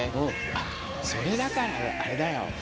あっそれだからあれだよ。